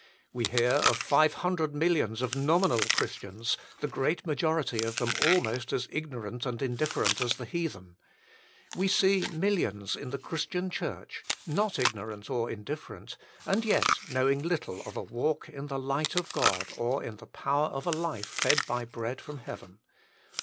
We hear of five hundred millions of nominal Christians, the great majority of them almost as ignorant and indifferent as the heathen. We see millions in the Christian Church, not ignorant or indifferent, and yet knowing little of a walk in the light of God or in the power of a life fed by bread from heaven.